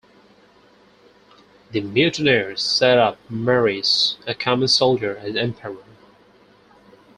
The mutineers set up Marius, a common soldier, as emperor.